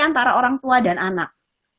antara orang tua dan anak